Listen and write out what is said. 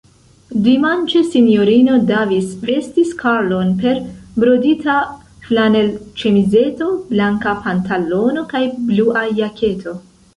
Dimanĉe S-ino Davis vestis Karlon per brodita flanelĉemizeto., blanka pantalono kaj blua jaketo.